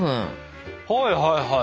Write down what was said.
はいはいはい。